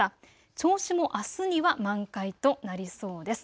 銚子もあすには満開となりそうです。